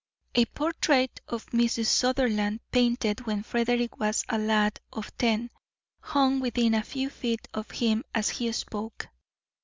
A portrait of Mrs. Sutherland, painted when Frederick was a lad of ten, hung within a few feet of him as he spoke.